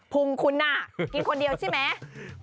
ุงคุณน่ะกินคนเดียวใช่ไหม